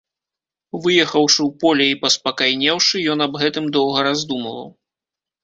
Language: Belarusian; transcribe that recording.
Выехаўшы ў поле і паспакайнеўшы, ён аб гэтым доўга раздумваў.